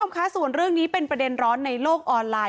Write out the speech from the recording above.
คุณผู้ชมคะส่วนเรื่องนี้เป็นประเด็นร้อนในโลกออนไลน